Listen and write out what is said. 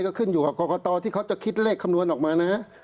ก็ขึ้นอยู่กับกรกตที่เขาจะคิดเลขคำนวณออกมานะฮะ